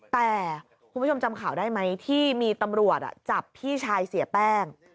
แต่คุณผู้ชมจำข่าวได้ไหมที่มีตำรวจจับพี่ชายเสียแป้ง